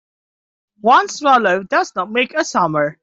One swallow does not make a summer.